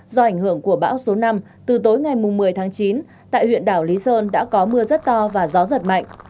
do ảnh hưởng của bão số năm từ tối ngày một mươi tháng chín tại huyện đảo lý sơn đã có mưa rất to và gió giật mạnh